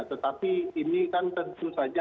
tetapi ini kan tentu saja